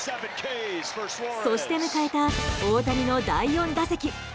そして迎えた大谷の第４打席。